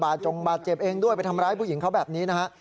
จงบาดเจ็บเองด้วยไปทำร้ายผู้หญิงเขาแบบนี้นะฮะ